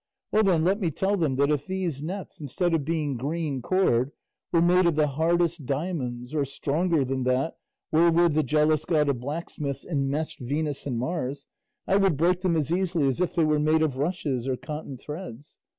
Well then let me tell them that if these nets, instead of being green cord, were made of the hardest diamonds, or stronger than that wherewith the jealous god of blacksmiths enmeshed Venus and Mars, I would break them as easily as if they were made of rushes or cotton threads."